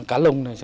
cá lồng này